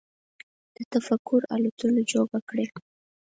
د تفکر الوتلو جوګه کړي